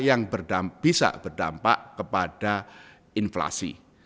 yang bisa berdampak kepada inflasi